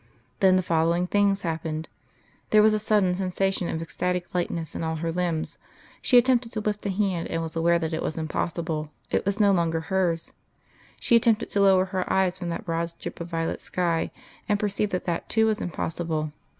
... Then the following things happened.... There was a sudden sensation of ecstatic lightness in all her limbs; she attempted to lift a hand, and was aware that it was impossible; it was no longer hers. She attempted to lower her eyes from that broad strip of violet sky, and perceived that that too was impossible.